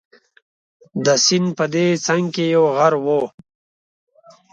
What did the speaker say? د سیند په دې څنګ کې یو غر وو.